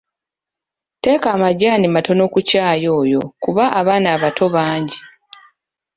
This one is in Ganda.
Teeka amajjaani matono ku ccaai oyo kuba abaana abato bangi.